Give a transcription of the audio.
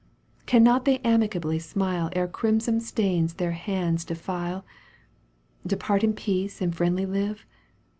Cannot they amicably smile Ere crimson stains their hands defile. Depart in peace and friendly live